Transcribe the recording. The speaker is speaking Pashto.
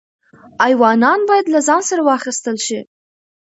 ایوانان باید له ځان سره واخیستل شي.